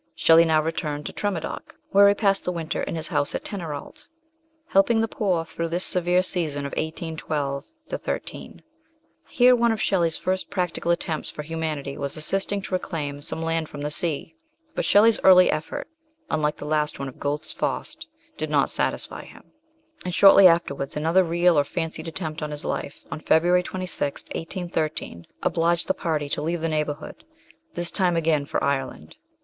Shelley now returned to Tremadoc, where he passed the winter in his house at Tanyrallt, helping the poor through this severe season of 1812 13. Here one of Shelley's first practical attempts for humanity was assisting to reclaim some land from the sea; but Shelley's early effort, unlike the last one of Gothe's Faust, did not satisfy him, and shortly afterwards another real or fancied attempt on his life, on February 26th, 1813, obliged the party to leave the neighbour hood, this time again for Ireland.